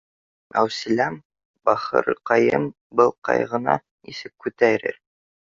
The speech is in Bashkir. — Мәүсиләм, бахырҡайым был ҡайғыны нисек күтә рер